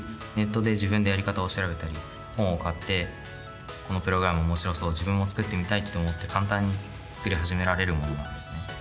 ネットで自分でやり方を調べたり本を買ってこのプログラム面白そう自分も作ってみたいって思って簡単に作り始められるものなんですね。